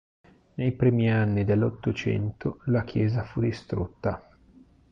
Nei primi anni dell'Ottocento la chiesa fu distrutta.